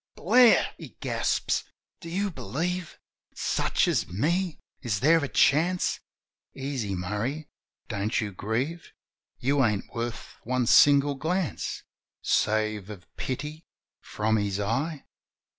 "Blair!" he gasps. "Do you believe? Such as me! Is there a chance?" "Easy, Murray. Don't you grieve. You ain't worth one single glance Save of pity from His eye.